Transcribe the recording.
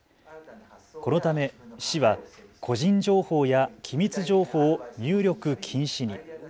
このため市は個人情報や機密情報を入力禁止に。